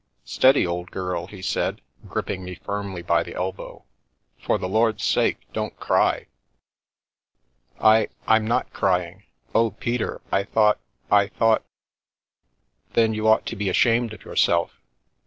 " Steady, old girl 1 " he said, gripping me firmly by the elbow, " for the Lord's sake don't cry !" "I — I'm not crying. Oh, Peter, I thought — I thought "" Then you ought to be ashamed of yourself.